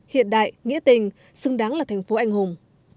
hiện đại nghĩa tình xứng đáng là thành phố anh hùng